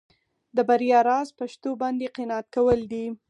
د بریا راز په شتو باندې قناعت کول دي.